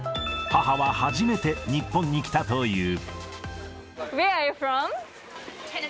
母は初めて日本に来たという。